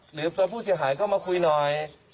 หรือตอนผู้เสียหายก็มาคุยหน่อย